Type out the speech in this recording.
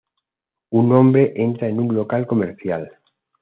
Un hombre entra en un local comercial.